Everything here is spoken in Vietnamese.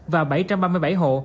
và bảy trăm ba mươi bảy hộ